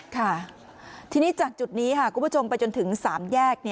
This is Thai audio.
ค่ะทีนี้จากจุดนี้ค่ะคุณผู้ชมไปจนถึง๓แยก